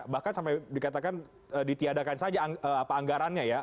bahkan sampai dikatakan ditiadakan saja anggarannya ya